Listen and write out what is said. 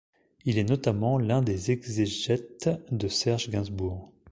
Il est notamment l'un des exégètes de Serge Gainsbourg.